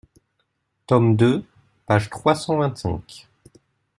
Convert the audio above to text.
Tome deux, page trois cent vingt-cinq.